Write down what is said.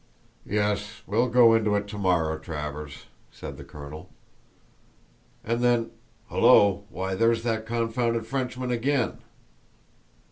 "Yes, we'll go into it to morrow, Travers," said the colonel; "and then—hullo, why, there's that confounded Frenchman again!"